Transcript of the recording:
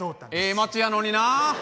ええ町やのになあ。